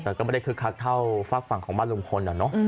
แต่ก็ไม่ได้คือคักเท่าฟักฝั่งของบ้านลุงคนอะเนอะ